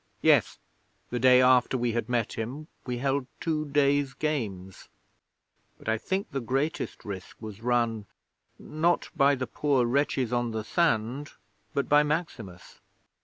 Yes, the day after we had met him we held two days' Games; but I think the greatest risk was run, not by the poor wretches on the sand, but by Maximus.